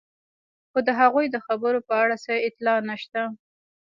خو د هغوی د خبرو په اړه څه اطلاع نشته.